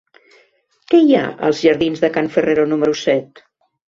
Què hi ha als jardins de Can Ferrero número set?